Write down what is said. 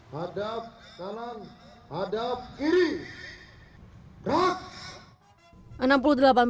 hadap kanan hadap kiri gerak